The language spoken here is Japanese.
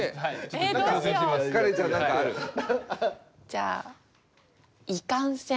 じゃあ「いかんせん」。